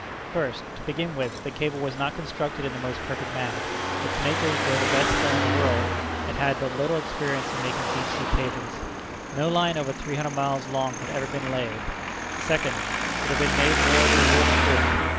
1st. To begin with, the cable was not constructed in the most perfect manner. Its makers, though the best then in the world, had had but little experience in making deep sea cables. No line over three hundred miles long had ever been laid. 2d. It had been made more than a year before.